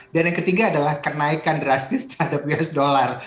dan yang ketiga adalah kenaikan drastis terhadap us dollar